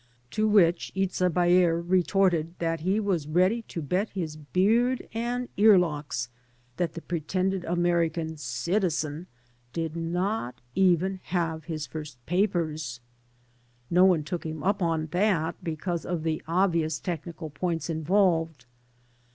To which Itza Baer retorted that he was ready to bet his beard and earlocks that the pretended American citizen did not even have his first papers. No one took him up on that because of the obvious technical points involved.